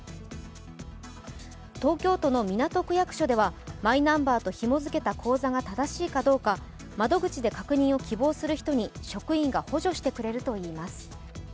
東京都の港区役所ではマイナンバーとひも付けた口座が正しいかどうか窓口で確認を希望する人に職員が補助してくれるといいます。